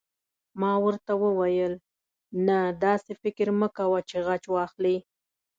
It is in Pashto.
ما ورته وویل: نه، داسې فکر مه کوه چې غچ واخلې.